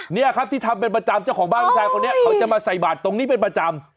นี่ครับที่ทำเป็นประจำเจ้าของบ้านผู้ชายคนนี้เขาจะมาใส่บาทตรงนี้เป็นประจำ